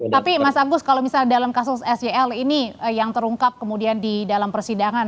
tapi mas agus kalau misalnya dalam kasus sel ini yang terungkap kemudian di dalam persidangan